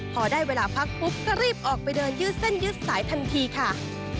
พอได้เวลาพักปุ๊บก็รีบออกไปเดินยืดเส้นยืดสายทันทีค่ะ